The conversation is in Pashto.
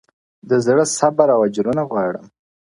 د زړه صبر او اجرونه غواړم -